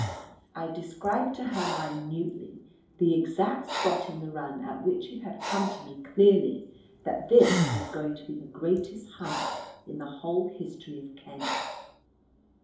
I described to her minutely the exact spot in the run at which it had come to me clearly that this was going to be the greatest hunt in the whole history of Kent.